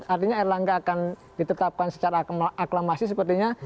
artinya erlangga akan ditetapkan secara aklamasi sepertinya